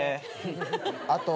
あと。